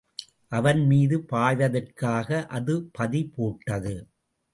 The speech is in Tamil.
அவன்மீது பாய்வதற்காக அது பதி போட்டது.